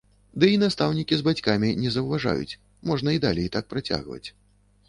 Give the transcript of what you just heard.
Ды і настаўнікі з бацькамі не заўважаюць, можна і далей так працягваць.